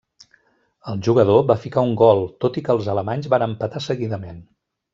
El Jugador va ficar un gol tot i que els alemanys van empatar seguidament.